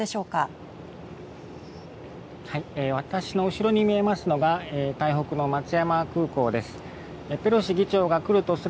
私の後ろに見えますのが台北の松山空港です。